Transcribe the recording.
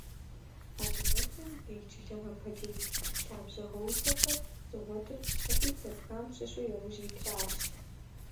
Адыгэбзэм белджылыгъэ падеж лъабжьэгъусэхэр зыгъуэтыр псалъитӏ зэпхам щыщу яужь итращ.